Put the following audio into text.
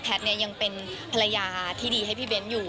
แพทย์เนี่ยยังเป็นภรรยาที่ดีให้พี่เบนท์อยู่